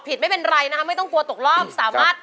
เพลงนี้อยู่ในอาราบัมชุดแรกของคุณแจ็คเลยนะครับ